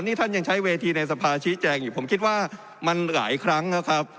นี่ท่านยังใช้เวทีในสภาชี้แจงอยู่ผมคิดว่ามันหลายครั้งแล้วครับ